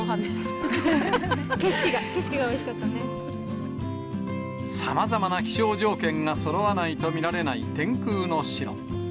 景色が、景色がおいしかったさまざまな気象条件がそろわないと見られない天空の城。